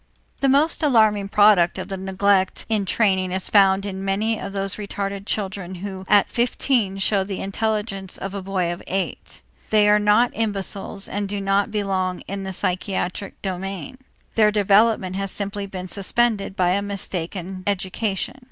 The most alarming product of the neglect in training is found in many of those retarded children who at fifteen show the intelligence of a boy of eight. They are not imbeciles and do not belong in the psychiatric domain; their development has simply been suspended by a mistaken education.